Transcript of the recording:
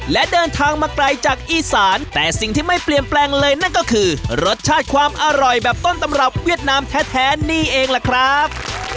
และเดินทางมาไกลจากอีสานแต่สิ่งที่ไม่เปลี่ยนแปลงเลยนั่นก็คือรสชาติความอร่อยแบบต้นตำรับเวียดนามแท้นี่เองล่ะครับ